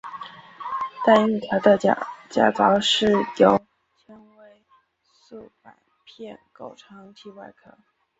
带硬壳的甲藻是由纤维素板片构成其外壳。